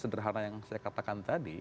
sederhana yang saya katakan tadi